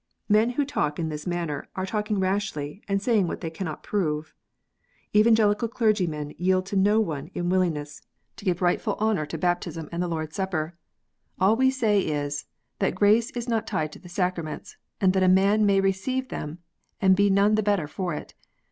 Men who talk in this manner are talking rashly, and saying what they cannot prove. Evan gelical clergymen yield to none in willingness to give rightful THE THIRTY NINE ARTICLES. 81 honour to Baptism and the Lord s Supper. All we say is, that grace is not tied to the Sacraments, and that a man may receive them, and be none the better for it.